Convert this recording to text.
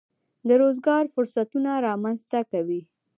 د روزګار فرصتونه رامنځته کوي.